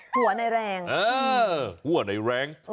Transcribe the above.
หัวในแรง